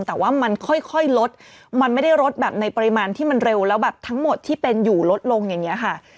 แต่ว่ามันค่อยลดมันไม่ได้ลดแบบในปริมาณที่มันเร็วแล้วแบบทั้งหมดที่เป็นอยู่ลดลงอย่างนี้ค่ะ